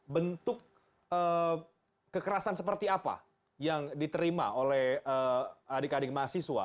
bentuk kekerasan seperti apa yang diterima oleh adik adik mahasiswa